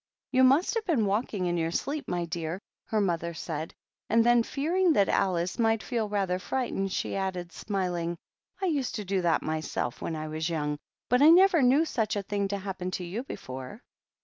" You must have been walking in your sleep, my dear," her mother said. And then, fearing that Alice might feel rather frightened, she added, smiling, " I used to do that myself when I was young, but I never knew such a thing to happen to you before.